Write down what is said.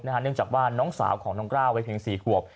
เนื่องจากว่าน้องสาวของน้องกล้าวัยเพียง๔ขวบ